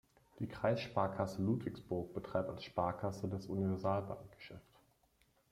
Die Kreissparkasse Ludwigsburg betreibt als Sparkasse das Universalbankgeschäft.